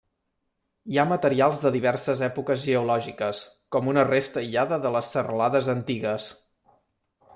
Hi ha materials de diverses èpoques geològiques, com una resta aïllada de les serralades antigues.